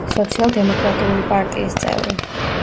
სოციალ-დემოკრატიული პარტიის წევრი.